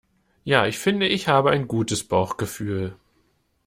Ja, ich finde ich habe ein gutes Bauchgefühl.